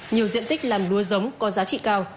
nhiều diện tích làm lúa giống có giá trị cao